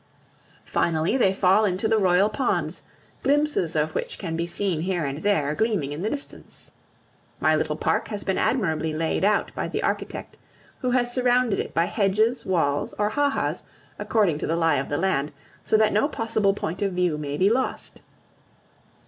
Finally, they fall into the royal ponds, glimpses of which can be seen here and there, gleaming in the distance. My little park has been admirably laid out by the architect, who has surrounded it by hedges, walls, or ha has, according to the lie of the land, so that no possible point of view may be lost.